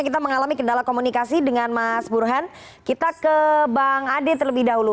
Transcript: terima kasih dengan mas burhan kita ke bang ade terlebih dahulu